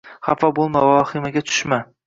• Xafa bo‘lma va vahimaga tushma!